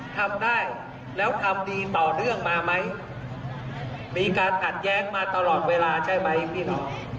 ทำได้แล้วทำดีต่อเนื่องมาไหมมีการขัดแย้งมาตลอดเวลาใช่ไหมพี่น้อง